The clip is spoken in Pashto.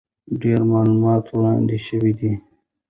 ډېر معلومات وړاندې شوي دي،